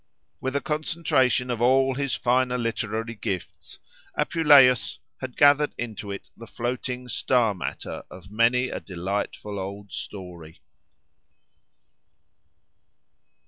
With a concentration of all his finer literary gifts, Apuleius had gathered into it the floating star matter of many a delightful old story.